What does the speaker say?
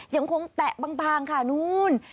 ยังคงแตะพังค่ะนู่น